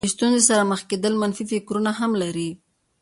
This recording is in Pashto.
له ستونزې سره مخ کېدل منفي فکرونه هم لري.